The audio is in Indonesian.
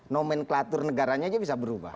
nomenklatur negaranya aja bisa berubah